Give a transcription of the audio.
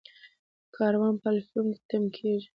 کاروان په الفیوم کې تم کیږي.